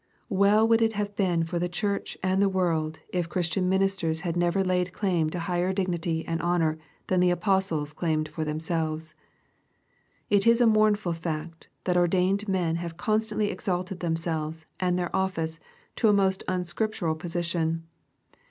Well would it have been for the Church and the world, if Christian ministers had never laid claim to higher dignity and honor than the apostles claimed for them selves. It is a mournful fact, that ordained men have constantly exalted themselves and their office to a most unscriptural position.